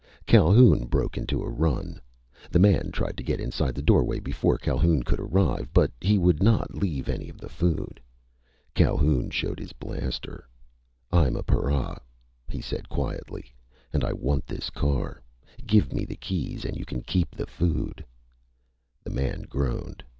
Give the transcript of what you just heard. Calhoun broke into a run. The man tried to get inside the doorway before Calhoun could arrive. But he would not leave any of the food. Calhoun showed his blaster. "I'm a para," he said quietly, "and I want this car. Give me the keys and you can keep the food." The man groaned.